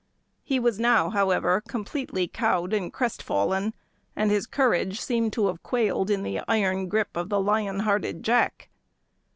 He was now, however, completely cowed and crestfallen, and his courage seemed to have quailed in the iron gripe of the lion hearted Jack.